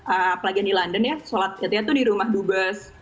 apalagi yang di london ya sholat idnya tuh di rumah dubes